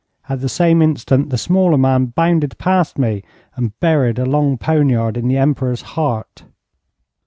At the same instant the smaller man bounded past me, and buried a long poniard in the Emperor's heart.